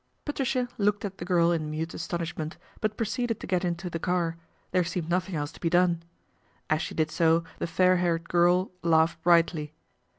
Patricia looked at the girl in mute astonishment ( out proceeded to get into the car, there seemed nothing else to be done. As she did so, the fair .laired girl laughed brightly.